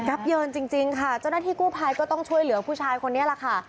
เยินจริงค่ะเจ้าหน้าที่กู้ภัยก็ต้องช่วยเหลือผู้ชายคนนี้แหละค่ะ